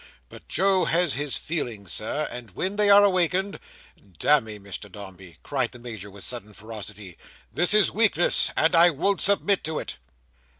But Joe has his feelings, Sir, and when they are awakened—Damme, Mr Dombey," cried the Major with sudden ferocity, "this is weakness, and I won't submit to it!"